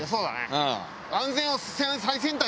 うん。